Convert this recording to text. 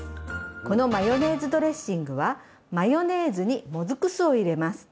このマヨネーズドレッシングはマヨネーズにもずく酢を入れます。